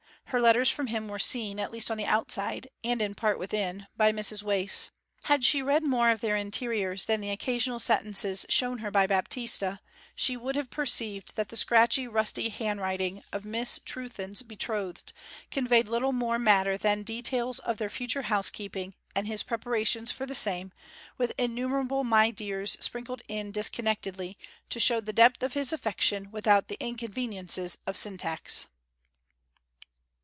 Her letters from him were seen, at least on the outside, and in part within, by Mrs Wace. Had she read more of their interiors than the occasional sentences shown her by Baptista she would have perceived that the scratchy, rusty handwriting of Miss Trewthen's betrothed conveyed little more matter than details of their future housekeeping, and his preparations for the same, with innumerable 'my dears' sprinkled in disconnectedly, to show the depth of his affection without the inconveniences of syntax.